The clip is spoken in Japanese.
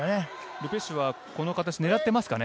ル・ペシュはこの形を狙っていますかね。